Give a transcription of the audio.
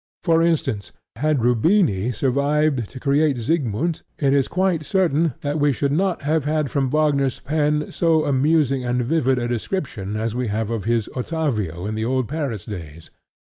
For instance, had Rubini survived to create Siegmund, it is quite certain that we should not have had from Wagner's pen so amusing and vivid a description as we have of his Ottavio in the old Paris days.